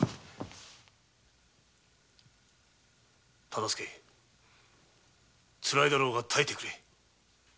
忠相つらいだろうが耐えてくれ。